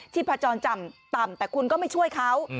พจรจำต่ำแต่คุณก็ไม่ช่วยเขา